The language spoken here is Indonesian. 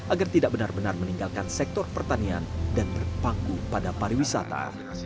agar tidak benar benar meninggalkan sektor pertanian dan berpangku pada pariwisata